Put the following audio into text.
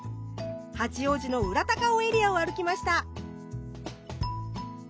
八王子の裏高尾エリアを歩きました。